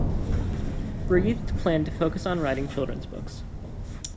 Breathed planned to focus on writing children's books.